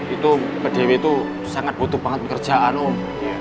itu mbak dewi itu sangat butuh banget pekerjaan om